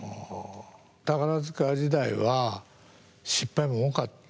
宝塚時代は失敗も多かって？